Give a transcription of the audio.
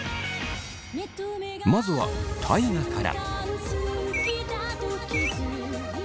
まずは大我から。